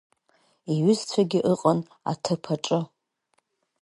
Иҩызцәагьы ыҟан аҭыԥ аҿы.